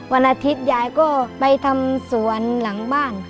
วันอาทิตยายก็ไปทำสวนหลังบ้าน